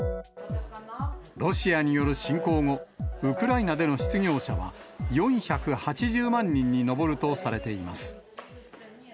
ロシアによる侵攻後、ウクライナでの失業者は、４８０万人に上るとされています。